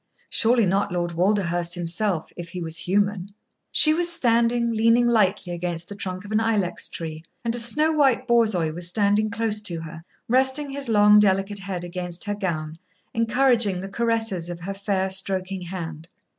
Surely not Lord Walderhurst himself, if he was human. She was standing, leaning lightly against the trunk of an ilex tree, and a snow white Borzoi was standing close to her, resting his long, delicate head against her gown, encouraging the caresses of her fair, stroking hand.